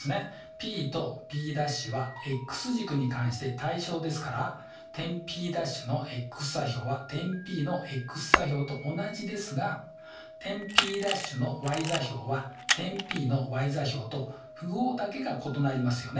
ＰとＰ′はｘ軸に関して対称ですから点Ｐ′のｘ座標は点Ｐのｘ座標と同じですが点Ｐ′のｙ座標は点Ｐのｙ座標と符号だけが異なりますよね。